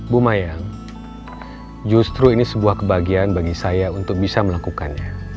bu mayang justru ini sebuah kebahagiaan bagi saya untuk bisa melakukannya